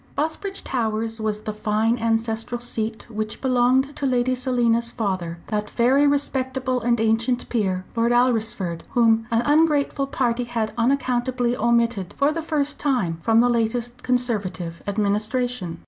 Busbridge Towers was the fine ancestral seat which belonged to Lady Selina's father, that very respectable and ancient peer, Lord Alresford, whom an ungrateful party had unaccountably omitted for the first time from the latest Conservative administration.